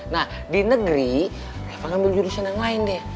nah di negeri reva ngambil jurusan yang lain deh